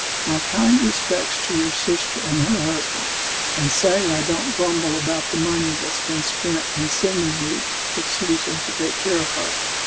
My kind respects to your sister and her husband, and say I don't grumble about the money that's been spent in sending you with Susan to take care of her.